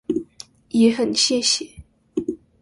也很謝謝